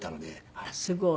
あっすごい。